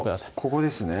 ここですね